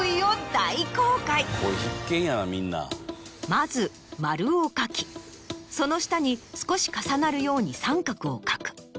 まず丸を描きその下に少し重なるように三角を描く。